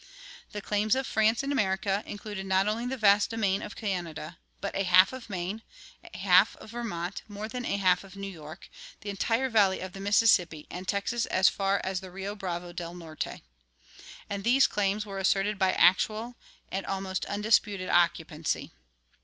The claims of France in America included not only the vast domain of Canada, but a half of Maine, a half of Vermont, more than a half of New York, the entire valley of the Mississippi, and Texas as far as the Rio Bravo del Norte.[21:2] And these claims were asserted by actual and almost undisputed occupancy.